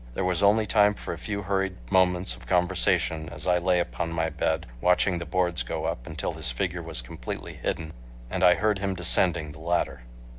There was only time for a few hurried moments of conversation, as I lay upon my bed watching the boards go up until his figure was completely hidden and I heard him descending the ladder.